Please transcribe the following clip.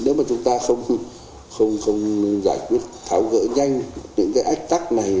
nếu mà chúng ta không giải quyết tháo gỡ nhanh những cái ách tắc này